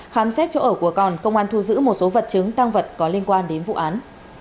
khám xét chỗ ở của còn công an thu giữ một số vật chứng tăng vật có liên quan đến vụ án